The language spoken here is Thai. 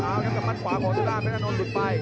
เอ้าครับกับบ้านขวาของสุดท้ายแพทย์นานนท์หลุดไป